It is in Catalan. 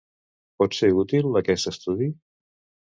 Pot ser útil, aquest estudi?